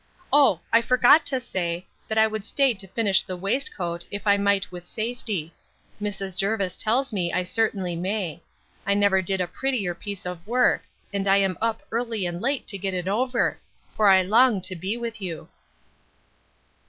Oh! I forgot to say, that I would stay to finish the waistcoat, if I might with safety. Mrs. Jervis tells me I certainly may. I never did a prettier piece of work; and I am up early and late to get it over; for I long to be with you.